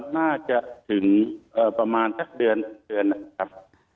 น่าจะถึงประมาณสักเดือนครับ